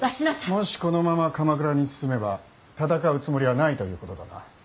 もしこのまま鎌倉に進めば戦うつもりはないということだな。